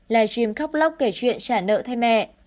hai livestream khóc lóc kể chuyện trả nợ thay mẹ